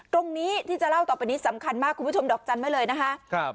ตรงนี้ที่จะเล่าต่อไปนี้สำคัญมากคุณผู้ชมดอกจันทร์ไว้เลยนะคะ